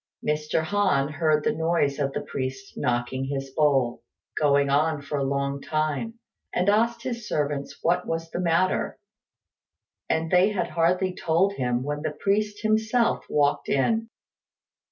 Mr. Han heard the noise of the priest knocking his bowl going on for a long time, and asked his servants what was the matter; and they had hardly told him when the priest himself walked in.